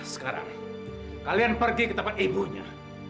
sekarang kalian pergi ke tempat ibunya